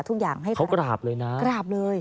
ทุกอย่างให้เขากราบเลยนะกราบเลย